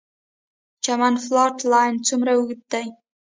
چمن فالټ لاین څومره اوږد دی؟